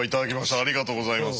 ありがとうございます。